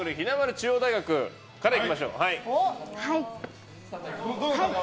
中央大学からいきましょう。